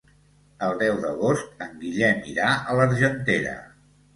El deu d'agost en Guillem irà a l'Argentera.